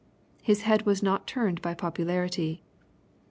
His head was not turned by popularity.